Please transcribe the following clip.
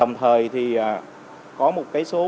cùng thời thì có một cái số